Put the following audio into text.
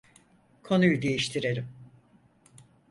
Konuyu değiştirelim.